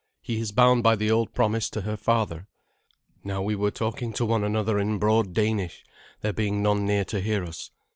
He is bound by the old promise to her father." Now we were talking to one another in broad Danish, there being none near to hear us.